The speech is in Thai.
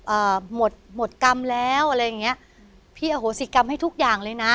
เอ่อหมดหมดกรรมแล้วอะไรอย่างเงี้ยพี่อโหสิกรรมให้ทุกอย่างเลยนะ